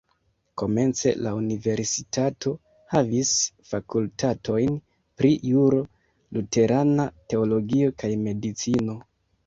Komence la universitato havis fakultatojn pri juro, luterana teologio kaj medicino.